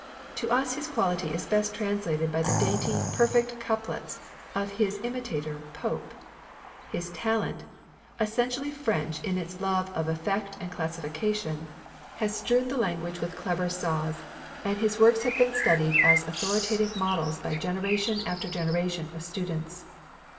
To us his quality is best translated by the dainty, perfect couplets of his imitator Pope. His talent, essentially French in its love of effect and classification, has strewn the language with clever saws, and his works have been studied as authoritative models by generation after generation of students.